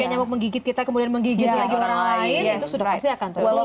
tidak nyamuk menggigit kita kemudian menggigit lagi orang lain itu sudah pasti akan turun